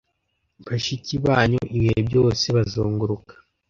bashiki banyu ibihe byose bazunguruka